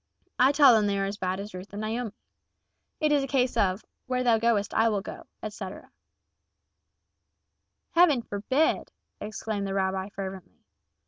I tell them they are as bad as Ruth and Naomi. It is a case of 'where thou goest I will go,' etc." "Heaven forbid!" exclaimed the rabbi, fervently.